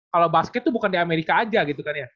kalau basket itu bukan di amerika aja gitu kan ya